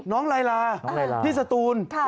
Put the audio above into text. น้องลายลาพี่สตูน